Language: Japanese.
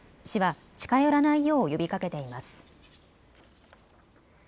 市は近寄らないよう呼びかけています。